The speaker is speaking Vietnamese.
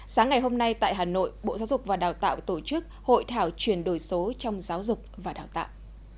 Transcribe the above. sáng ngày hôm nay tại hà nội bộ giáo dục và đào tạo tổ chức hội thảo chuyển đổi số trong giáo dục và đào tạo